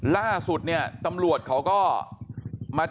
ล่าสุดตำรวจเขาก็มาเจอ